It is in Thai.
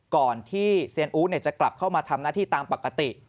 ก่อนที่เซียนอู๋จะกลับเข้ามาทำหน้าที่ตามปกติ